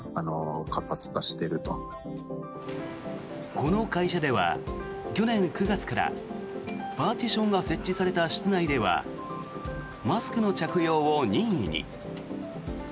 この会社では去年９月からパーティションが設置された室内ではマスクの着用を任意に。